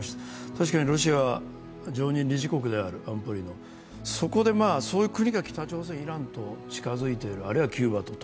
確かに、ロシアは安保理の常任理事国である、そこでそういう国が北朝鮮イランと近づいている、あるいはキューバと。